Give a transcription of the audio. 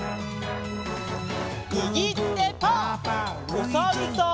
おさるさん。